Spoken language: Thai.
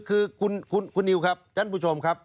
คือคุณนิวครับท่านผู้ชมครับ